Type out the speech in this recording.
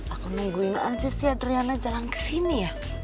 aku nungguin aja sih adriana jalan ke sini ya